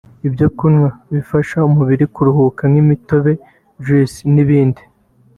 ibyo kunywa bifasha umubiri kuruhuka nk’imitobe (Juice) n’ibindi